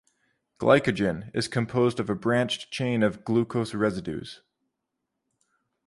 Glycogen is composed of a branched chain of glucose residues.